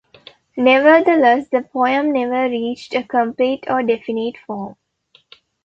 Nevertheless, the poem never reached a complete or definite form.